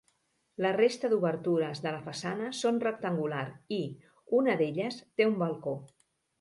La resta d'obertures de la façana són rectangular i, una d'elles, té un balcó.